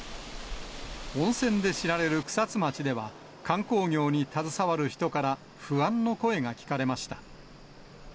温泉で知られる草津町では、観光業に携わる人から不安の声が聞かれました。